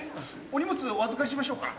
お荷物お預かりしましょうか？